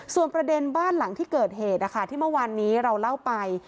ส่วนประเด็นบ้านหลังที่เกิดเหตุที่เมื่อวานนี้เราเล่าไป